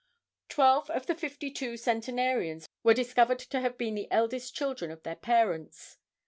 "Twelve of the fifty two centenarians were discovered to have been the eldest children of their parents.